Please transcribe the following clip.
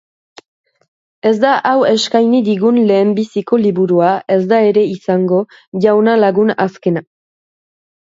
Ez da hau eskaini digun lehenbiziko liburua; ez da ere izango, Jauna lagun, azkena.